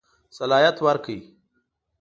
صلاحیت ورکړ.